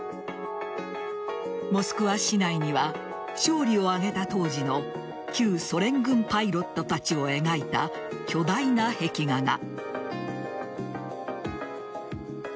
モスクワ市内には勝利を挙げた当時の旧ソ連軍パイロットたちを描いた巨大な壁画が。